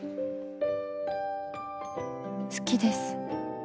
「好きです。